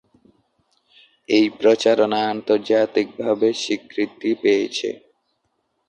এই প্রচারণা আন্তর্জাতিক ভাবে স্বীকৃতি পেয়েছে।